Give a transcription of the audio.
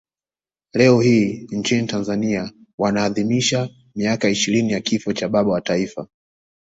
Leo hii nchini Tanzania wanaadhimisha miaka ishirini ya kifo cha baba wa taifa